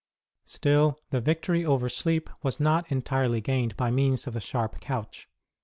Still, the victory over sleep was not entirely gained by means of the sharp couch.